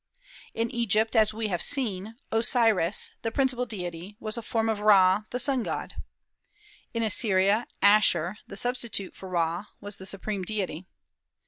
In Egypt, as we have seen, Osiris, the principal deity, was a form of Ra, the sun god. In Assyria, Asshur, the substitute for Ra, was the supreme deity.